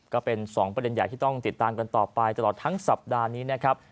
ก็เป็น๒ประเด็นใหญ่ที่ต้องติดตามกันต่อไปตลอดทั้งสัปดาห์นี้นะครับ